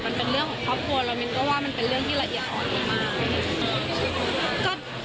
มันเป็นเรื่องของครอบครัวแล้วมินก็ว่ามันเป็นเรื่องที่ละเอียดอ่อนมาก